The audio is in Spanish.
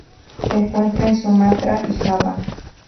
Se encuentra en Sumatra y Java.